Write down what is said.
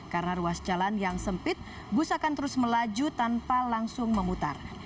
karena ruas jalan yang sempit bus akan terus melaju tanpa langsung memutar